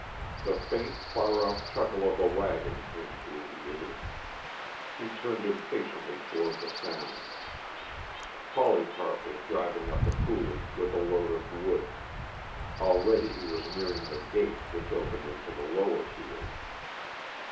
The faint, far off chuckle of a wagon came to his ears. He turned impatiently toward the sound. Polycarp was driving up the coulee with a load of wood; already he was nearing the gate which opened into the lower field.